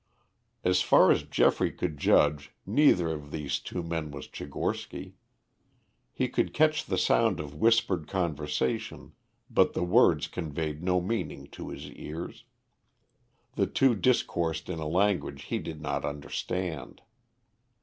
As far as Geoffrey could judge neither of these men was Tchigorsky. He could catch the sound of whispered conversation, but the words conveyed no meaning to his ears. The two discoursed in a language he did not understand.